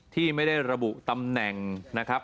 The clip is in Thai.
ที่ไม่ได้ระบุตำแหน่งนะครับ